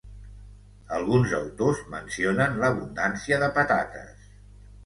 Alguns autors mencionen l'abundància de patates.